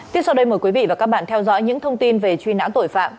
tiếp sau đây mời quý vị và các bạn theo dõi những thông tin về truy nã tội phạm